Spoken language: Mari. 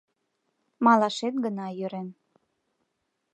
Малашет гына йӧрен.